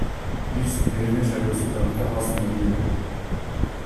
Биз мэрдин шайлоосу тарыхта калсын дедик эле.